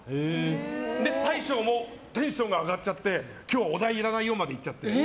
大将もテンションが上がっちゃって今日、お代いらないよまで言っちゃって。